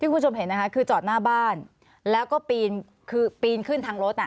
คุณผู้ชมเห็นนะคะคือจอดหน้าบ้านแล้วก็ปีนคือปีนขึ้นทางรถอ่ะ